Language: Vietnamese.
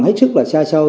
hết sức là xa xôi